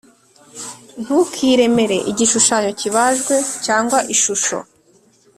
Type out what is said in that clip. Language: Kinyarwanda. Ntukiremere igishushanyo kibajwe cyangwa ishusho